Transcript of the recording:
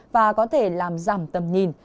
và có thể làm giảm tầm nhìn